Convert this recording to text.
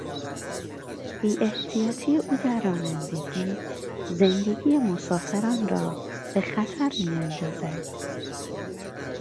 بیاحتیاطی او در رانندگی زندگی مسافران را به خطر میاندازد.